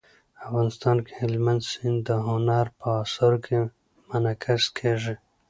افغانستان کې هلمند سیند د هنر په اثار کې منعکس کېږي.